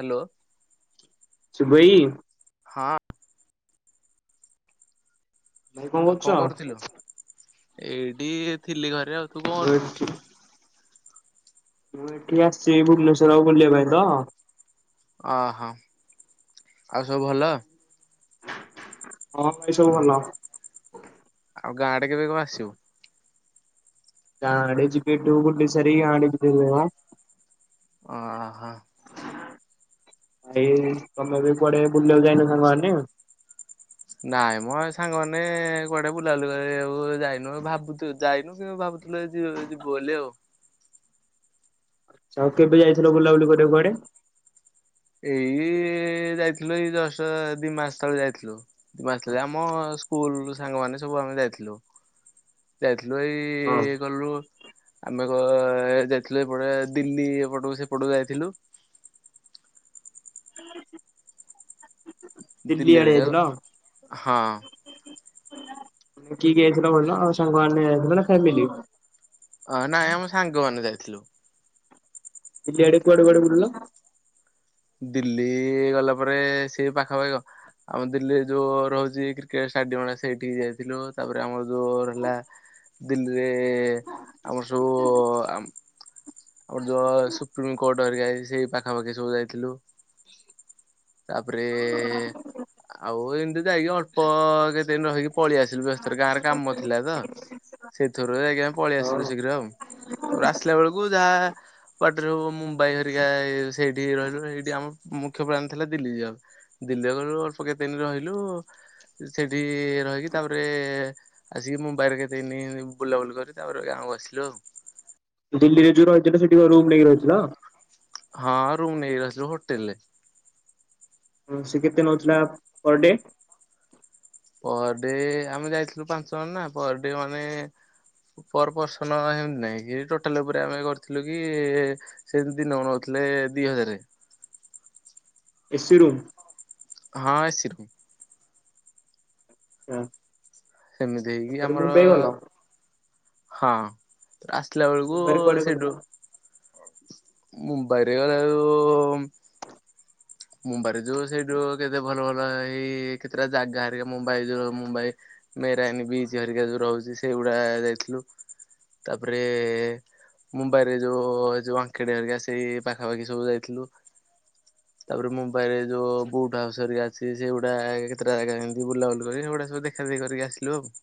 Hello. ସୁଭେଇ ହଁ। ଭାଇ ଆଉ କରୁଛ? କଣ କରୁଥିଲୁ ଏଇଠି ଥିଲି ଘରେ ଆଉ। ତୁ କଣ କରୁ ବଟ୍ ମୁଁ ଏଠି ଆସିଛିି ଭୁବନେଶ୍ଵର ଆଉ ବୁଲିବା ପାଇଁ ତ। ଓହୋ ଆଉ ସବୁ ଭଲ? ହଁ ଭାଇ ସବୁ ଭଲ। ଆଉ ଗାଁ ଆଡ଼େ କେବେ କଣ ଆସିବ? ତା ଏଆଡ଼େ ଛିପେଟୁ ବୁଲି ସରି ଗାଁ ଆଡ଼େ ଯିବୁ ଅ। ଓହୋ। ଭାଇ ତମେ ବି କୁଆଡେ ବୁଲିବାକୁ ଯାଇନ ସାଙ୍ଗମାନେ? ନାଇଁ ମୋ ସାଙ୍ଗମାନେ କୁଆଡେ ବୁଲାବୁଲି କରିବାକୁ ଯାଇନୁ ଭାବୁଛୁ ଯାଇନୁ କି ଭାବୁୁ [unintelligible] ଯିବୁ ବଲେ ଆଉ। ଆଉ କେବେ ଯାଇଥିଲ ବୁଲାବୁଲି କରିବାକୁୁ କୁଆଡେ? ଏଇ ଯାଇଥିଲୁ ଏଇ ଜଷ୍ଟ ଦି ମାସ ତଳେ ଯାଇଥିଲୁ। ସ ଥିଲେ ଆମ ସ୍କୁଲ ସାଙ୍ଗମାନେ ସବୁ ଆମେ ଯାଇଥିଲୁ। ଯାଇଥିଲୁ ହଁ ଏଇ ଗଲୁ ଆମେ କ ଯାଇଥିଲୁ ଏପଟେ ଦିଲ୍ଲୀ ଏପଟକୁ ସେପଟକୁ ଯାଇଥିଲୁ। ଦିଲ୍ଲୀ ଆଡେ ଦିଲ୍ଲୀରେ ଯାଇଥିଲ? ହଁ। କିଏ କିଏ ଯାଇଥିଲ କହିଲ ଆ ସାଙ୍ଗମାନେ ଯାଇଥିଲ ନା ଫାମିଲି? ଅ ନାଇଁ ଆମ ସାଙ୍ଗମନେ ଯାଇଥିଲୁ। ଦିଲ୍ଲି ଆଡେ କୁଆଡେ କୁଆଡେ ବୁଲିଲ? ଦିଲ୍ଲୀ ଗଲା ପରେ ସିଏ ପାଖାପାଖି ଆମର ଦିଲ୍ଲୀରେ ଯୋଉ ରହୁଛି କ୍ରିକେଟ୍ ଷ୍ଟାଡିୟମ ଟା ସେଇଠି ଯାଇଥିଲୁ ତାପରେ ଆମର ଯୋଉ ରହିଲା। ଦିଲ୍ଲୀରେ ଆମର ସବୁ ଆମ ଆର ଯୋ ସୁପ୍ରିମ କୋର୍ଟ ହରିକା ସେଇ ପାଖାପାଖି ସବୁ ଯାଇଥିଲୁ। ତାପରେ ଏ ଆଉ ଏମିତି ଯାଇକି ଅଳ୍ପ କେତେ ଦିନ ରହିକି ପଳେଇ ଆସିଲୁ ବ୍ୟସ୍ତରେ ଗାଁରେ କାମ ଥିଲା ତ। ସେଥରୁ ଯାଇକି ଆମେ ପଳେଇ ଆସିଲୁ ହଁ ଶୀଘ୍ର ଆଉ ତାପରେ ଆସିଲା ବେଳକୁ ଯାହା ବାଟରୁ ମୁମ୍ବାଇ ହେରିକା ସେଇଠି ରହିଲୁ ହେଇଠି ଆମର ମୁଖ୍ୟ ପ୍ଲାନ ଥିଲା ଦିଲ୍ଲୀ ଯିବାକୁ। ଦିଲ୍ଲୀ ଗଲୁ ଅଳ୍ପ କେତେଦିନ ରହିଲୁ ସେଠି ରହିକି ତାପରେ ଆସିକି ମୁମ୍ବାଇରେ କେତେଦିନି ବୁଲାବୁଲି କରି ତାପରେ ଗାଁକୁ ଆସିଲୁ ଆଉ। ଦିଲ୍ଲୀରେ ଯୋଉ ରହିଥିଲ ସେଠି କଣ ରୁମ ନେଇକି ରହିଥିଲ? ହଁ ରୁମ ନେଇକି ରହିଥିଲୁ ହୋଟେଲରେ। ହଁ ସେ କେତେ ନଉଥିଲା ପର ଡେ? ପର ଡେ ଆମେ ଯାଇଥିଲୁ ପାଞ୍ଚ ଜଣ ନା ପର ଡେ ମାନେ ପର ପର୍ସନ ହେମିତି ନାଇ କି ଟୋଟାଲ ଉପରେ ଆମେ କରିଥିଲୁ କି ସେ ଦିନକୁ ନଉଥିଲେ ଦି ହଜାରେ। AC room? ହଁ ଏସି ରୁମ। ହାଁ। ଏ ମିତି ହେଇକି ଆମର ହଁ। ଆସିଲା ବେଳକୁ ମୁମ୍ବାଇରେ କୁଆଡେ ସେଡୁ କୁଆଡେ ମୁମ୍ବାଇରେ ଆଉ ମୁମ୍ବାଇ ରେ ଯୋଉ ସେଇଠୁ କେତେ ଭଲ ଭଲ ହେଇ କେତେ ଟା ଜାଗା ହାରିକା ମୁମ୍ବାଇ ଯୋଉ ମୁମ୍ବାଇ ମେରାନୀ ବିଚ ହେରିକା ଯୋଉ ରହୁଛି ସେଇଗୁଡା ଯାଇଥିଲୁ ତାପରେ ମୁମ୍ବାଇ ରେ ଯୋଉ ଯୋଉ ଆଙ୍ଖେଡ଼ି ହେରିକା ସେଇ ପାଖାପାଖି ସବୁ ଯାଇଥିଲୁ। ତାପରେ ମୁମ୍ବାଇ ରେ ଯୋଉ ବୁଟ ହାଉସ ହେରିକା ସିଏ ସେଗୁଡା କେତେଟା ଜାଗା କେମିତି ବୁଲାବୁଲି କରିକି ସେଗୁଡା ସବୁ ଦେଖା ଦେଖି କରିକି ଆସିଲୁ ଆଉ।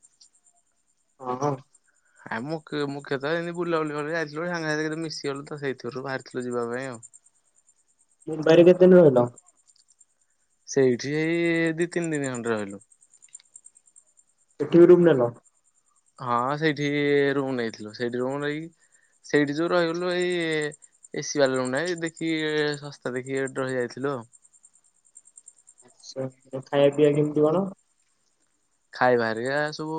ହଁ ହଁ। ଆଉ ମୁ ମୁଖ୍ୟତଃ ଏମିତି ବୁଲାବୁଲି କରିଯାଇଥିଲୁ ସାଙ୍ଗା ସାଥି କେତେ ମିଶିଗଲୁ ତ ସେଇଥିିରୁ ବାହାରିଥିଲୁ ଯିବା ପାଇଁ ଆଉ। ମୁମ୍ବାଇ ରେ କେତେଦିନ ରହିଲ? ସେଇଠି ହେଇ ଦି ତିନି ଦିନ ଖଣ୍ଡେ ରହିଲୁ। ଏଠି ବି ରୁମ୍ ନେଲ? ହଁ ସେଇଠି ରୁମ ନେଇଥିଲୁ ସେଇଠି ରୁମ ନେଇକି ସେଇଠି ଯୋଉ ରହିଗଲୁ ଏଇ ଏସି ବାଲା ରୁମ ନାଇଁ। ଦେଖି ଶସ୍ତା ଦେଖିକି ରହିଯାଇଥିଲୁ ଆଉ। ଆଛା ଆ ଖାଇବା ପିଇବା କେମିତି କଣ? ଖାଇବା ହେରିକ ସବୁ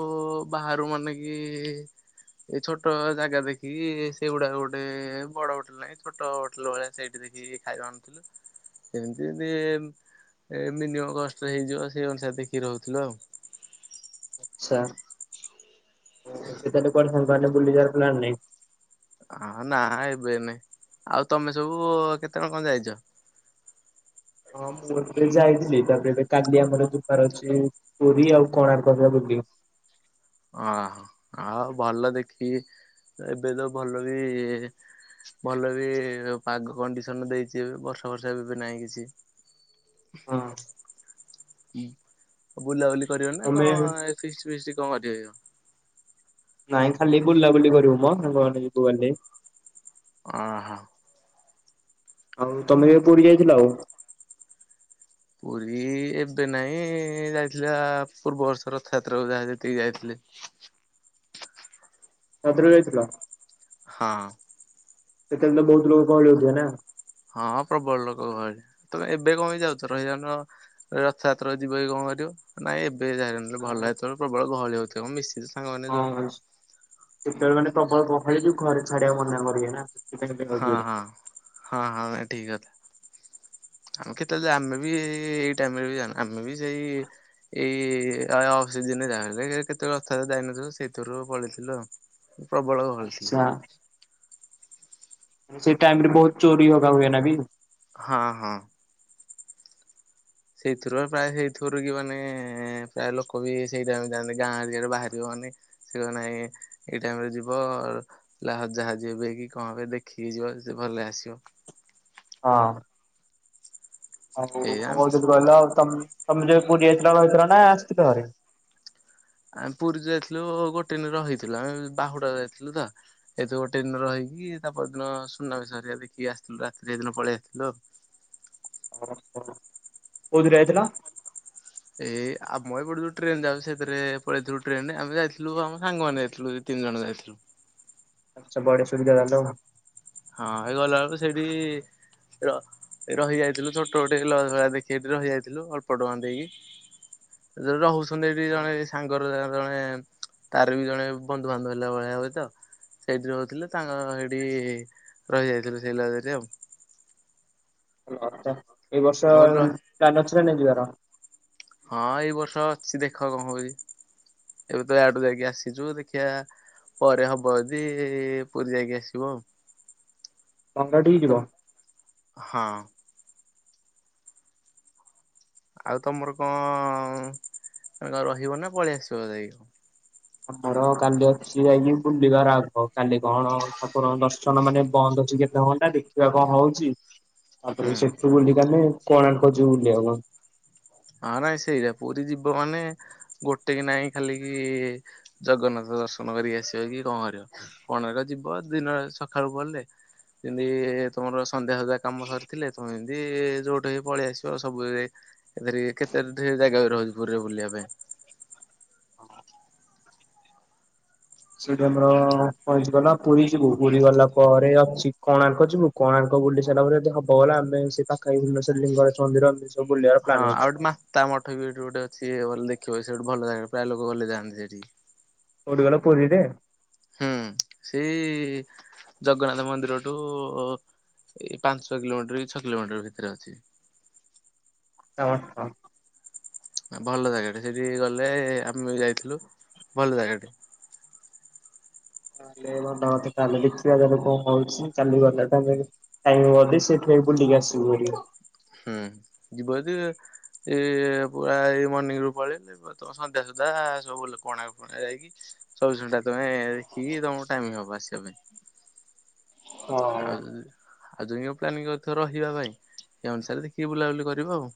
ବାହାରୁ ମାନେ କି ଏ ଛୋଟ ଜାଗା ଦେଖିକି ସେଇଗୁଡା ଗୋଟେ ବଡ ହୋଟେଲ ନାହିଁ ଛୋଟ ହୋଟେଲ ଭଳିଆ ସେଇ ଦେଖିକି ଖାଇବାଆଣୁ ଥିଲୁ। ଏମତି ଦି ମିନିମମ୍ କଷ୍ଟରେ ହେଇଯିବ ସେଇ ଅନୁସାରେ ଦେଖି ରହୁଥିଲୁ ଆଉ। ଆଛା [unintelligible] ବୁଲି ଯିବାର ପ୍ଲାନ ନାଇଁ? ଅ ନା ଏବେ ନାଇଁ ଆଉ ତମେ ସବୁ କେତେ ଜଣ କଣ ଯାଇଛ? ହଁ ମୁଁ ଏବେ ଯାଇଥିଲି। ତାପରେ ଏବେ କାଲି ଆମର ବେପାର ଅଛି ପୁରୀ ଆଉ କୋଣାର୍କ ହକା ବୁଲି। ଅ ଆଉ ଭଲ ଦେଖିକି ଏବେ ତ ଭଲ ବି ଭଲ ବି ପାଗ କଣ୍ଡିସନ ଦେଇଛିଏବେ ବର୍ଷା ବର୍ଷା ଏବେବି ନାହିଁ କିଛି। ହଁ। ଉଁ, ବୁଲାବୁଲି କରିବ ନା ତମେ କଣ ଏ ଫିଷ୍ ଫିଷ୍ଟ କଣ କରିବ? ନାଇଁ ଖାଲି ବୁଲାବୁଲି କରିବୁ ମୋ ସାଙ୍ଗମାନେ ଯିବ ଗଲେ। ଓ ହୋ! ଆଉ ତୋମେ କେବେ ପୁଡୀ ଯାଇଥିଲ ଆଉ? ପୁରୀ ଏବେ ନାହିଁ ଯାଇଥିଲା ପୂର୍ବବର୍ଷ ରଥଯାତ୍ରାକୁ ଯାହା ଯେତିକି ଯାଇଥିଲି। ରଥ ରେ ଯାଇଥିଲ? ହଁ। ସେତେବେଳେ ତ ବହୁତ ଲୋକ ଗହଳି ହଉଥିବେ ନା? ହଁଁ ପ୍ରବଳ ଲୋକ ଗହଳି। ତୋମେ ଏବେ କଣ ପାଇଁ ଯାଉଛ? ରହିଯାଉନ ରଥଯାତ୍ରା କୁ ଯିବ କି କଣ କରିବ। ନାଇଁ ଏବେ ଯା ନହେଲେ ଭଲ। ହେତଳୁ ପ୍ରବଳ ଗହଳି ହଉଥିବ ମୋ ମିଶସ୍ ହଁ [unintelligible] ସେତେବେଳେ ମାନେ ପ୍ରବଳ ଗହଳି ଯୋଉ ଘରେ ଛାଡିବାକୁ ମନା କରିବେ ନା। ସେଥିପାଇଁ ହଁ, ଯାଉଥିବେ। ହଁ, ହଁ, ହଁ ଏ ଠିକ୍ କଥା। ଆମେ କେତେଳେ ଯେ ଆମେ ବି ଏଇ ଟାଇମ୍ ରେ ବି ଯାଉନା। ଆମେ ବି ସେଇ ଏଇ ଆ, ଅଫ୍ ସିଜିନ୍ ରେ ଯାହାହେଲେ ବି ସେ କେତେବେଳେ ରଥଯାତ୍ରା ରେ ଯାଇନଥିଲୁ ସେଇଥିରୁ ପଳେଇଥିଲୁ ଆଉ। ପ୍ରବଳ ଗ ଆଚ୍ଛା ହଁ ସେ ଟାଇମ୍ ରେ ବହୁତ ଚୋରି ହବା ହୁଏ ନା ବି। ହଁ, ହଁ। ସେଇଥିରୁ ପ୍ରାୟ ସେଇଥିରୁ କି ମାନେ ପ୍ରାୟ ଲୋକ ବି ସେଇ ଟାଇମ୍ ର ଯାଆନ୍ତି। ଗାଁ ଦିହରୁ ବାହାରିବ ମାନେ ସେ କଥା ନାହିଁ, ଏଇ ଟାଇମ୍ ରେ ଯିବ ଅ ଲାହ ଯାହା ଯେବେ କି କଣ ଏ ଦେଖିକି ଯିବ ସେ ଭଲ ଆସିବ। ହଁ। ଆଉ କଣ ଏଇ ଆମେ କହୁଥିଲି କହିଲ ଆଉ ତୋମ୍ ତୋମେ ଯେ ପୁରୀ ଯାଇଥିଲ ରହିଥିଲ ନା ଆସିଥିଲ ଭାରି? ଆମେ ପୁରୀ ଯାଇଥିଲୁ ଗୋଟେ ଦିନ ରହିଥିଲୁ। ଆମେ ବାହୁଡା ଯାଇଥିଲୁ ତ। ଏ ତୁ ଗୋଟେ ଦିନ ରହିକି ତା ପର ଦିନ ସୁନାବେଶ ହେରିକା ଦେଖିକି ଆସିଥିଲୁ ରାତିରେ ସେଇଦିନ ପଳେଇ ଆସିଥିଲୁ ଆଉ। କୋଉଥିରେ ଯାଇଥିଲ? ଏ ଆମ ଏପଟୁ ଯୋଉ ଟ୍ରେନ୍ ଯାଉ ସେଥିରେ ପଳେଇଥିଲୁ ଟ୍ରେନ୍ ରେ ଆମେ ଯାଇଥିଲୁ ଆମ ସାଙ୍ଗମାନେ ଯାଇଥିଲୁ ଏ ତିନି ଜଣ ଯାଇଥିଲୁ। ସବୁଆଡେ ସୁବିଧା ହେଲ। ହଁ ହେଇ ଗଲାବେଳକୁ ସେଇଠି ର-ରହି ଯାଇଥିଲୁ ଛୋଟ ଗୋଟେ ଲଜ୍ ଭଳିଆ ଦେଖି ସେଠି ରହିଯାଇଥିଲୁ ଅଳ୍ପ ଟଙ୍କା ଦେଇକି। ଯେ ରହୁଛନ୍ତି ଏଠି ଜଣେ ଏ ସାଙ୍ଗର ଜଣେ ତାର ବି ଜଣେ ବନ୍ଧୁବାନ୍ଧବ ହେଲା ଭଳିଆ ହୁଏ ତ ସେଇଠି ରହୁଥିଲୁ। ତାଙ୍କ ସେଇଠି ରହିଯାଇଥିଲୁ ସେଇ ଲଜ୍ ରେ ଆଉ। ଓ ଆଚ୍ଛା ଏଇ ବର୍ଷ ତମର ପ୍ଲାନ୍ ଅଛି ନା ନାଇ ଯିବାର? ହଁ ଏଇ ବର୍ଷ ଅଛି ଦେଖ କଣ ହଉଛି। ଏବେ ତ ଇଆଡୁ ଯାଇକି ଆସିଛୁ ଦେଖିବା। ପରେ ହବ ଯଦି ପୁରୀ ଯାଇକି ଆସିବ। ଟଙ୍କା ଠିକି ଆଉ ତ ଯିବ। ହଁ। ଆଉ ତୋମର କଣ ମାନେ କ ରହିବ ନା ପଳେଇ ଆସିବ ଯାଇକି? ଆମର କାଲି ଅଛି ଯାଇକି ବୁଲିବାର ଆଗ କାଲି କଣ ଠାକୁରଙ୍କ ଦର୍ଶନ ମାନେ ବନ୍ଦ ଅଛି କେ ତେ ଘଣ୍ଟା ଦେଖିବା କଣ ହଉଛି। ହୁଁ ତାପରେ ସେଠୁ ବୁଲି କାଲି କୋଣାର୍କ ଯିବୁ ବୁଲିଆକୁ। ଆରେ ସେଇଟା ପୁରୀ ଯବି ମାନେ ଗୋଟେ କି ନାହିଁ ଖାଲି କି ଜଗନ୍ନାଥ ଦର୍ଶନ କରିକି ଆସିବ କି କଣ କରିବ। କନ ଗୋଟେ ଯିବ ଦିନ ରେ ସଖାଳୁ ଗଲେ ଯେମିତି ତୋମର ସନ୍ଧ୍ୟା ସୁଦ୍ଧା କାମ ସରିଥିଲେ ତୁମେ ଏମିତି ଯୋଉଠି ହେଇ ପଳେଇ ଆସିବ ସବୁଳେ ଏ କେତେ ଜାଗା ରହୁଛି ପୁରୀରେ ବୁଲିବା ପାଇଁ। ସେଠି ଆମର କ ଗଲା ପୁରୀ ଯିବୁ ପୁରୀ ଗଲା ପରେ ଅଛି କୋଣାର୍କ ଯିବୁ। କୋଣାର୍କ ବୁଲି ସାରା ପରେ ଯଦି ହବ ଗଲା ଆମେ ସେ ପାଖି ଭୁନେଶ୍ୱର ଲିଙ୍ଗରାଜ ମନ୍ଦିର ସବୁ ବୁଲିବାର ହଁ ପ୍ଲାନ୍ ଆଉ ଅଛି। ଗୋଟେ ମାତା ମଠ ବି ଏଠି ଗୋଟେ ଅଛିଲ ଦେଖିବ ସେ ଗଠୁ ଭଲ ଲାଗ ପ୍ରାୟ ଲୋକ ଗଲେ ଯାଆନ୍ତି ସେଠି କୋଉଠି କହିଲ ପୁରୀରେ। ହୁଁ ସେଇ ଜଗନ୍ନାଥ ମନ୍ଦିରଠୁ ଏଇ ପାଞ୍ଚ ଛ କିଲୋମିଟର କି ଛ କିଲୋମିଟର ଭିତରେ ଅଛି। [inaudible] ଭଲ ଜାଗାଟ ସେଠି ଗଲେ ଆମେ ଯାଇଥିଲୁ ଭଲ ଜାଗା ଟେ। ମ ମତେ କାଲି ଦେଖିବା ଗଲେ କଣ କହୁଛି କାଲି ଗଲା ଟ ଆଇ ଅଧ ସେଠୁଆ ବୁଲିକି ଆସିବୁ। ହୁଁ ଯିବ ଯ ଏ ପୁରା ଏଇ ମର୍ଣ୍ଣିିଂ ରୁ ପଳେଇଲ ତ ସନ୍ଧ୍ୟା ସୁଦ୍ଧା ସବୁ ବ କଣା ଫୁଣ ଯାଇକି ସବୁ ଟା ତମେ ଦେଖିକି ତମକୁ ଟାଇମ ହବ ଆସିବା ପାଇଁ। ଆଉ ଆଉ ଦ ପ୍ଲାନ କରଥିବ ରହିବା ପାଇଁ ସେ ଅନୁସାରେ ଦେକଏ ବୁଲାବୁଲି କରିବ ଆଉ।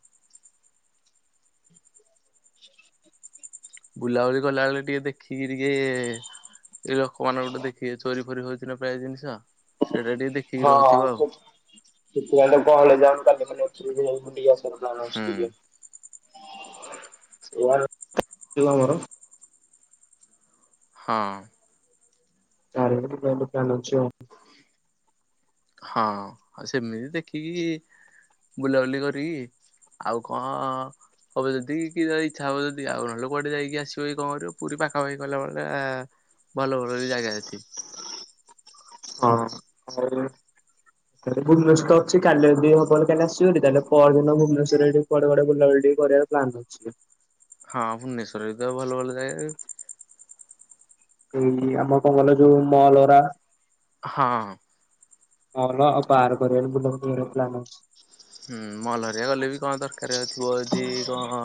ବୁଲାବୁଲି କଲା ବଳେ ଟିକେ ଦେଖିକି ଟିକେ ଏଇ ଲୋକ ମ ଗୋଟେ ଦେଖିବେ ଚୋରି ଫୋରି ହଉଥିଲା ପ୍ରାୟ ଜିନିଷ ସେଇଟା ଟିକେ ଦେଖିକି ହଁ ରହୁଥିବ ଆଉ କ କହଲେ ହୁଁ [inaudible] ମର ହଁ। ଚାର ଦୋକାନ ଅଛି ହଁ ଆ ସେମିତି ଦେଖିକି ବୁଲାବୁଲି କରିକି ଆଉ କଣ ହବ ଯଦି କିଇ୍ଛା ହବ ଯଦି ଆଉ ନହେଲେ କୁଆଡେ ଯାଇକି ଆସିବ କଣ କରିବ ପୁରୀ ପାଖାପଖିଲାବେଳେ ଭଲ ଭଲ ବି ଜାଗା ଅଛି ହଁ ଆ ତାେ ଭୁବନେଶ୍ୱର ଅଛି କାଲି ଯିବହଲେ କାଲି ଆସିବି ତାେଲେ ପର ଦିନ ଭୁବନେଶ୍ୱର ଏଠି କଡେ ବଡ ବୁଲାବୁଲି ଟିକଏ କରିବା ପ୍ଲାନ୍ ଅଛି ହଁ ଭୁବନେସ୍ୱରେତ ଭଲ ଭଲ ଜାଗା ଏଇ ଆମ କଙ୍ଗଲ ଯୋଉ ମଲରା ହଁ ହଉ ହଁ କାର ପ୍ଲାନ ହୁଁ ମଲହରିଆ ଗଲେ ବି କଣ ଦରକାରଥିବ ଯଦି କଣ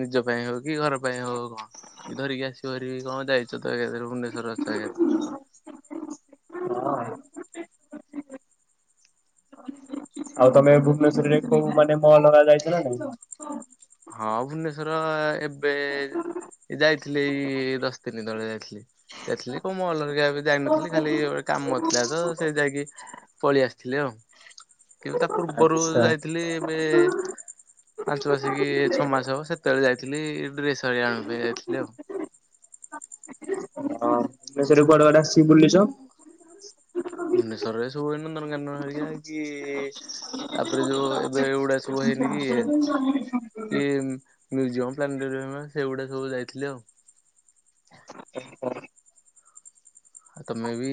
ନିଜ ପାଇଁ ହଉ କି ଘର ପାଇଁ ହଉ କଣ ଧରିକି ଆସିବ ଧିକି କଣ ଯାଇଛ ତୁ ଏକାରେ ଭୁବନେଶ୍ରରେଛ ଏକ [inaudible] ଆଉ ତମେ ଭୁବନେଶ୍ରରେ କୋଉ ମାନେ ମହଲ ରେ ଯାଇଛ ନା ନାଇ ହଁ ଭୁବନେଶ୍ର ର ଏବେ ଯାଇଥିଲଥିଲେ ଏଇ ଦଶ ଦିନି ତଳେ ଯାଇଥିଲି ଯାଇଥିଲି କମ ଅଲଗା ଯାଇନଥିଲି ଖାଲି ଗୋଟେ କାମଥିଲା ତ ସେ ଯାଇକି ପଳେଇ ଆସିଥିଲେ ଆଉ କି ତା ପୂର୍ବରୁ ଆଚ୍ଛା। ଯାଇଥିଲି ଏବେ ପାଞ୍ଚ ଆସିକି ମାସ ହବ ସେତେବେଳେ ଯାଇଥିଲି ସରିଆ ଆଣିବା ପାଇଁ ଯାଇଥିଲି ଆଉ ହ କୁଆଡେଡେ ଆସି ବୁଲିଚ ଭୁବନେଶ୍ୱରରେ ସବନନ୍ଦନକାନନ ହରିକା କି ତାପରେ ଯୋଉ ଏବେ ଏଗୁଡାଆ ସବୁ ହେଇନି କି ଇଏ କି ମୁଜିୟମ୍ ପ୍ଲାନେଟୋରିୟମ ସେଗୁଡା ସବୁ ଯାଇଥିଲେ ଆଉ [inaudible] ଆଉ ତମେ ବି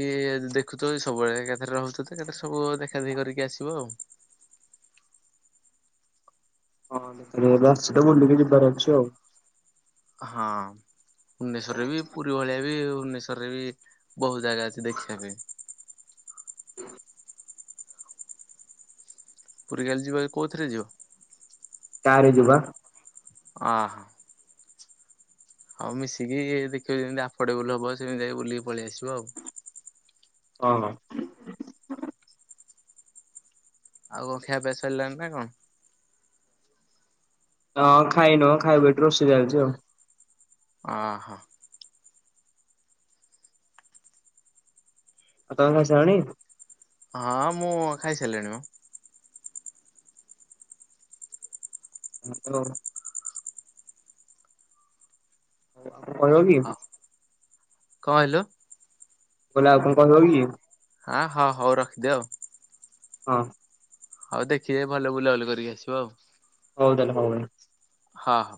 ଦେଖୁଛ ସବୁବେଳେ କେଥେ ରହୁଛ ତ କେତେରେ ସବୁ ଦେଖା ଦେଖି କରିକି ଆସିବ ଆଉ। ହଁ ରାସିଟା ବୁଲିକି ଯିବାର ଅଛି ଆଉ। ହଁ। ଭୁବନେଶ୍ୱରରେ ବି ପୁରୀ ଭଳିଆ ବି ଭୁବନେଶ୍ୱରରେ ବି ବହୁତ ଜାଗା ଅଛି ଦେଖିଆ ପାଇଁ। ପୁରୀ କାଲି ଯିବ କୋଉଥିରେ ଯିବ? କାର୍ ରେ ଯିବୁ ବା ଅନ୍। ହଉ ମିଶିକି ଇ ଦେଖିବ ଯେମିତି ଆଫଡେବୁଲ ହବ ସେମିତି ଯାଇକ ବୁଲିକି ପଳେଇ ଆସିବ ଆଉ। ହଁ ହଁ। ଆଉ ଖିଆପିୟା ସରିଲାଣି ନା କଣ? ହଁ ଖାଇନୁ ଖାଇବୁ ଏଠି ରୋଷେଇ ଚାଲିଛି ଆଉ। ଓ ହୋ। ଆଉ ତମେ ଖାଈସାଇଲନି। ହଁ ମୁଁ ଖାଇସାଇଲିଣି ମ। [unintelligible] ଆଉ କଣ କହିବ ହଁ କି? କଣ ହେଲୁ? ବୋଲା ଆଉ କଣ କହିବ କି? ଆଁ ହଁ ହଉ ରଖିଦିଅ ଆଉ। ହଁ। ହଉ ଦେଖିବେ ଭଲ ବୁଲାବୁଲି କରିକି ଆସିବ ଆଉ। ହଉ ହେଲା ହଉ ହେଲା। ହଁ।